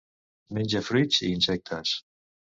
Menja fruits i insectes.